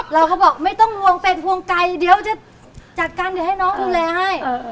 เราก็บอกไม่ต้องห่วงเป็นห่วงไก่เดี๋ยวจะจัดการเดี๋ยวให้น้องดูแลให้